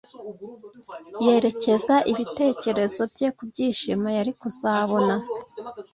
yerekeza ibitekerezo bye ku byishimo yari kuzabona